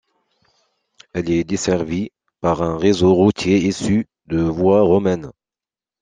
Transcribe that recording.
Elle est desservie par un réseau routier issu de voies romaines.